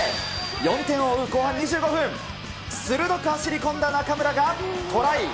４点を追う後半２５分、鋭く走り込んだ中村がトライ。